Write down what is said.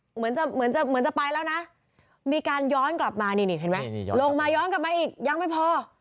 เหมือนจะเหมือนจะไปแล้วนะมีการย้อนกลับมานี่นี่เห็นไหมลงมาย้อนกลับมาอีกยังไม่พอ